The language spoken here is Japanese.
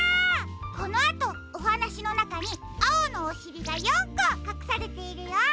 このあとおはなしのなかにあおのおしりが４こかくされているよ。